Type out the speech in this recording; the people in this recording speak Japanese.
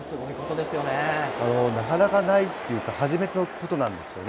なかなかないっていうか、初めてのことなんですよね。